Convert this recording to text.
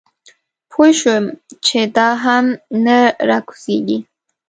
پوی شوم چې دا هم نه راکوزېږي.